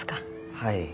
はい。